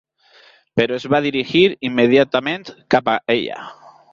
Però es va dirigir immediatament cap a ella.